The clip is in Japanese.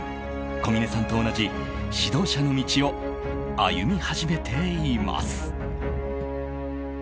小嶺さんと同じ指導者の道を歩み始めています。